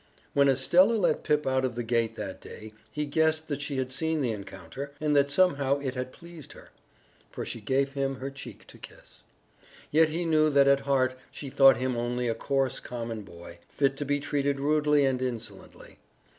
When Estella let Pip out of the gate that day he guessed that she had seen the encounter and that somehow it had pleased her, for she gave him her cheek to kiss. Yet he knew that at heart she thought him only a coarse, common boy, fit to be treated rudely and insolently.